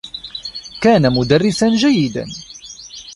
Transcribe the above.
كان مدرّسا جيّدا.